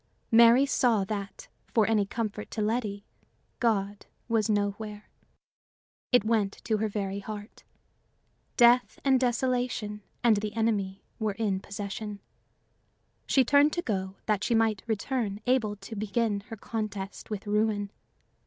Mary saw that, for any comfort to Letty, God was nowhere. It went to her very heart. Death and desolation and the enemy were in possession. She turned to go, that she might return able to begin her contest with ruin.